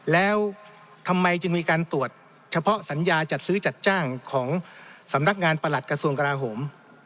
แล้วทำไมจึงมีการตรวจเฉพาะสัญญาจัดซื้อจัดจ้างของสำนักงานประหลัดกระทรวงกราโหม